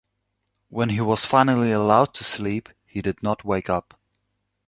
When he was finally allowed to sleep he did not wake up.